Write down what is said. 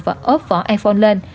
và ớp vỏ iphone lên